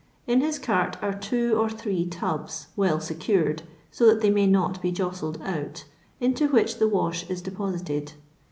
In his cart are two or three tubs, well secured, so that they may not bejostled out, into which the wash is deposited.